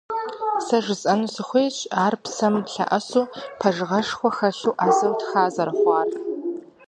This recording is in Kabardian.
Сэ жысӀэну сыхуейщ ар псэм лъэӀэсу, пэжыгъэшхуэ хэлъу, Ӏэзэу тха зэрыхъуар.